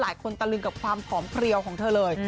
สายคนตะลึงกับความผอมเปรี้ยวของเธอเลย